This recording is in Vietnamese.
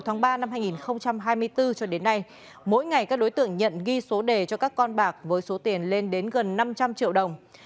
từ tháng ba năm hai nghìn hai mươi bốn cho đến nay mỗi ngày các đối tượng nhận ghi số đề cho các con bạc với số tiền lên đến gần năm trăm linh triệu đồng